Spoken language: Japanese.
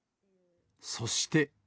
そして。